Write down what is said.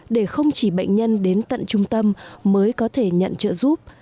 để không chỉ bệnh nhân đến tận trung tâm mới có thể nhận trợ giúp